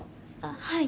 はい。